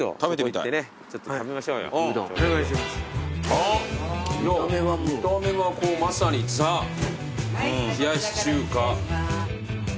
見た目はこうまさにザ・冷やし中華。